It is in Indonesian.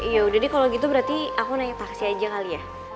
yaudah deh kalau gitu berarti aku naik taksi aja kali ya